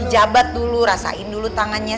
jabat dulu rasain dulu tangannya